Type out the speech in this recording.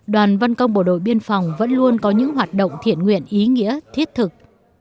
đoàn văn công bộ đội biên phòng vẫn luôn có những hoạt động thiện nguyện ý nghĩa thiết thực